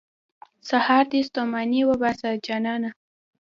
سهار دې ستوماني وباسه، جانانه.